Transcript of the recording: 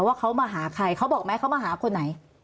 ว่าเขามาหาใครเขาบอกไหมเขามาหาคนไหน